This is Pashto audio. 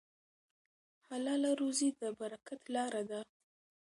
حلاله روزي د برکت لاره ده.